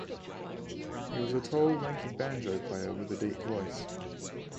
He was a tall, lanky banjo player with a deep voice.